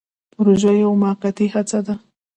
پروژه یوه موقتي هڅه ده